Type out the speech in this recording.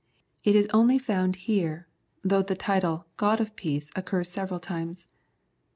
It is only found here, though the title " God of peace " occurs several times.